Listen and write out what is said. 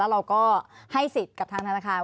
เราก็ให้สิทธิ์กับทางธนาคาร